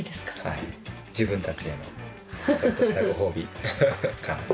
自分たちへのちょっとしたごほうびかな。